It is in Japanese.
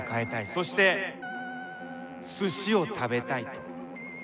そしてすしを食べたいと。